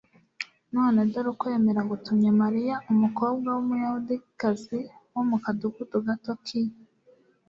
none dore ukwemera gutumye mariya, umukobwa w'umuyahudikazi wo mu kadugudu gato k'i